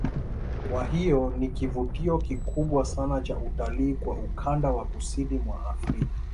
Kwa hiyo ni kivutio kikubwa sana cha utalii kwa ukanda wa kusini mwa Afrika